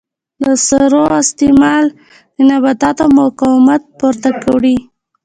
د سرو استعمال د نباتاتو مقاومت پورته وړي.